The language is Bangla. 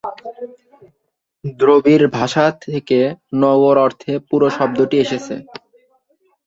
দ্রবিড় ভাষা থেকে নগর অর্থে পুর শব্দটি এসেছে।